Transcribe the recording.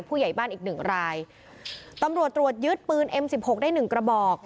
ผู้ใหญ่บ้านอีกหนึ่งรายตำรวจตรวจยึดปืนเอ็มสิบหกได้หนึ่งกระบอก